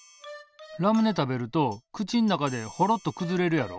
ラムネ食べると口ん中でホロッとくずれるやろ？